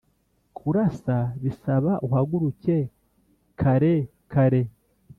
kurasa bisaba uhaguruke kare kare